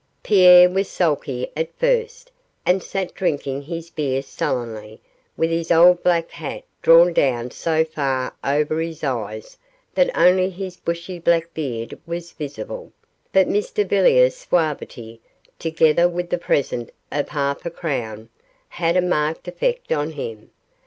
Pierre was sulky at first, and sat drinking his beer sullenly, with his old black hat drawn down so far over his eyes that only his bushy black beard was visible, but Mr Villiers' suavity, together with the present of half a crown, had a marked effect on him.